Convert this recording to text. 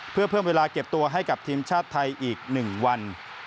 เพื่อเพิ่มเวลาเก็บตัวให้กับทีมชาติไทยอีก๑วัน